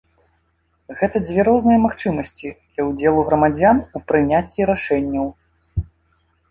Гэта дзве розныя магчымасці для ўдзелу грамадзян у прыняцці рашэнняў.